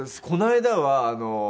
この間は。